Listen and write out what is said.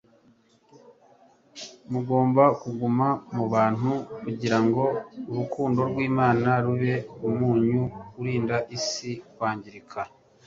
Mugomba kuguma mu bantu, kugira ngo urukundo rw'Imana rube umunyu urinda isi kwangirika